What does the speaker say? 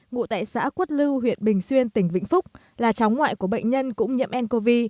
ngụ tại xã quất lưu huyện bình xuyên tỉnh vĩnh phúc là cháu ngoại của bệnh nhân cũng nhiễm ncov